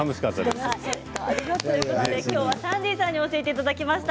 きょうはサンディーさんに教えていただきました。